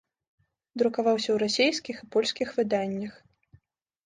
Друкаваўся ў расійскіх і польскіх выданнях.